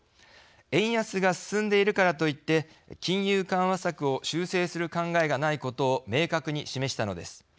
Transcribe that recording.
円安が進んでいるからといって金融緩和策を修正する考えがないことを明確に示したのです。